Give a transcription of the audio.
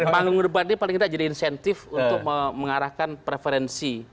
paling mudah ini jadi insentif untuk mengarahkan preferensi